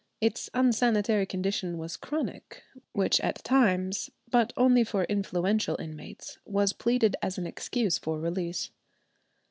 Its unsanitary condition was chronic, which at times, but only for influential inmates, was pleaded as an excuse for release.